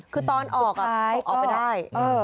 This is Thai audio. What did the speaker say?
คือตอนออกอ่ะออกออกไปได้